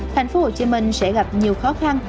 tp hcm sẽ gặp nhiều khó khăn